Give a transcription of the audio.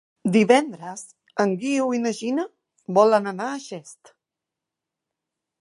Divendres en Guiu i na Gina volen anar a Xest.